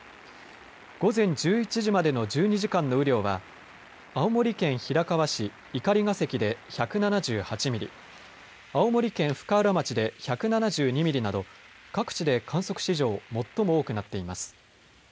午前１１時までの１２時間の雨量は青森県平川市碇ヶ関で１７８ミリ、青森県深浦町で１７２ミリなど各地で観測史上最も多くなっています。